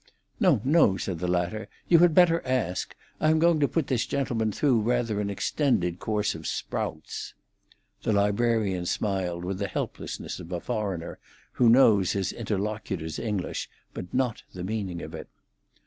"No, no!" said the latter; "you had better ask. I am going to put this gentleman through rather an extended course of sprouts." The librarian smiled with the helplessness of a foreigner, who knows his interlocutor's English, but not the meaning of it.